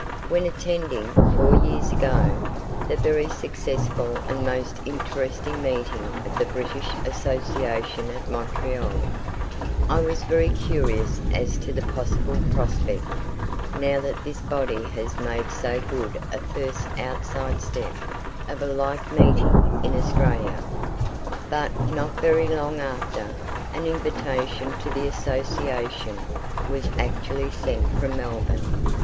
When attending, four years ago, the very successful and most interesting meeting of the British Association at Montreal, I was very curious as to the possible prospect, now that this body had made so good a first outside step, of a like meeting in Australia. But, not very long after, an invitation to the Association was actually sent from Melbourne.